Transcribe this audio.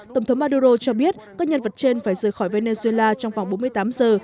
tổng thống maduro cho biết các nhân vật trên phải rời khỏi venezuela trong vòng bốn mươi tám giờ